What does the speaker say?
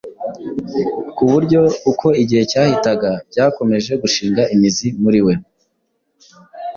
ku buryo uko igihe cyahitaga byakomeje gushinga imizi muri we